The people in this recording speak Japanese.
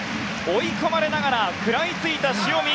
追い込まれながら食らいついた塩見。